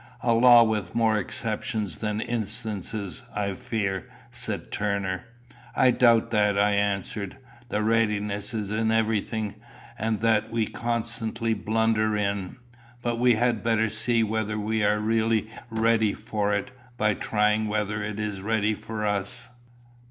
"A law with more exceptions than instances, I fear," said Turner. "I doubt that," I answered. "The readiness is everything, and that we constantly blunder in. But we had better see whether we are really ready for it, by trying whether it is ready for us."